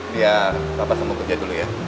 biar bapak semua kerja dulu ya